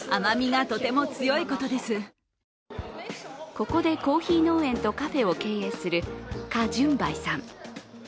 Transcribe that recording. ここでコーヒー農園とカフェを経営する華潤梅さん。